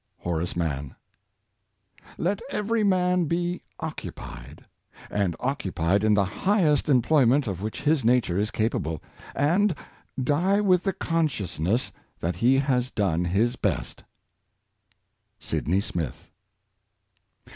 — Horace Mann. 'Let every ma.n he' occupied, and occupied in the highest employment of which his nature is capable, and die with the consciousness that he has done his best." — Sydney Smith.